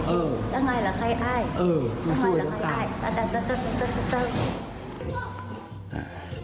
เออช่วยแล้วก่อนครับ